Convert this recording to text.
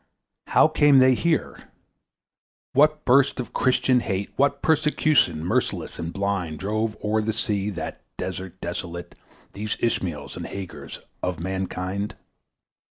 How came they here? What burst of Christian hate, What persecution, merciless and blind, Drove o'er the sea that desert desolate These Ishmaels and Hagars of mankind?